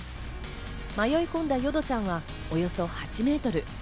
迷い込んだヨドちゃんはおよそ８メートル。